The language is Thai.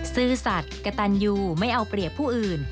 ซื่อสัตว์กระตันยูไม่เอาเปรียบผู้อื่น